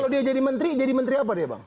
kalau dia jadi menteri jadi menteri apa dia bang